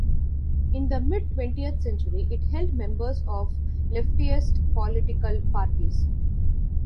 In the mid twentieth century it held members of leftist political parties.